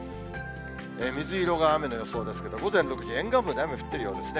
水色が雨の予想ですけど、午前６時、沿岸部で雨降っているようですね。